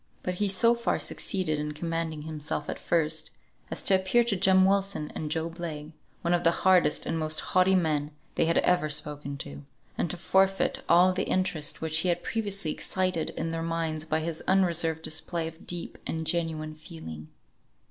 But he so far succeeded in commanding himself at first, as to appear to Jem Wilson and Job Legh one of the hardest and most haughty men they had ever spoken to, and to forfeit all the interest which he had previously excited in their minds by his unreserved display of deep and genuine feeling.